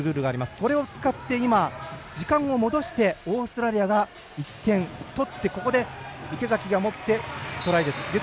それを使って時間を戻してオーストラリアが１点取ってここで池崎がトライです。